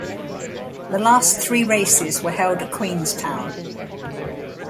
The last three races were held at Queenstown.